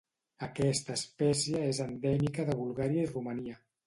Aquesta espècie és endèmica de Bulgària i Romania.